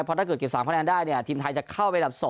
เพราะถ้าเกิดเก็บ๓คะแนนได้เนี่ยทีมไทยจะเข้าไปดับ๒